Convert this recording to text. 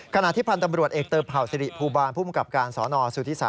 การะที่พันธ์ตำรวจเอกเติบเผ่าสิริภูบาลผู้มักกับการสนส๓